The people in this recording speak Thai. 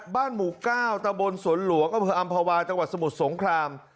บ้านหมูก้าวตะบลสวนหลวงอำภาวาจังหวัดสมุทรสงคราม